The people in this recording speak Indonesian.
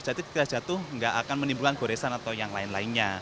jadi jika jatuh gak akan menimbulkan goresan atau yang lain lainnya